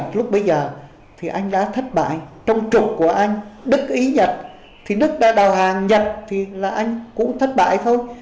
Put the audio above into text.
thì anh đã thất bại trong trục của anh đức ý nhật thì đức đã đào hàng nhật thì là anh cũng thất bại thôi